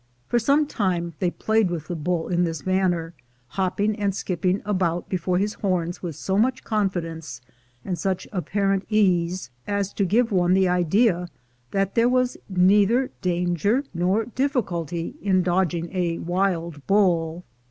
For some time they played with the bull in this manner, hopping and skip ping about before his horns with so much confidence, and such apparent ease, as to give one the idea that there was neither danger nor difficulty in dodging a wild bull.